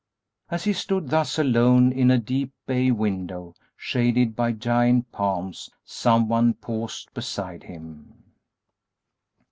As he stood thus alone in a deep bay window, shaded by giant palms, some one paused beside him.